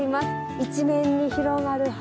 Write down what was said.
一面に広がる畑